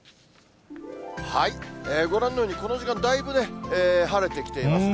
ご覧のように、この時間、だいぶね、晴れてきていますね。